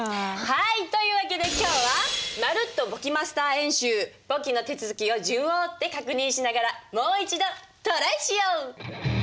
はいという訳で今日はまるっと簿記の手続きを順を追って確認しながらもう一度トライしよう！